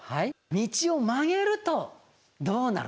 道を曲げるとどうなる？